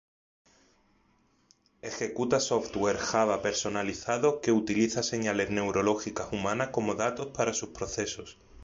Ejecuta software Java personalizado que utiliza señales neurológicas humanas como datos para sus procesos.